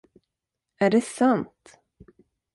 Är det sant?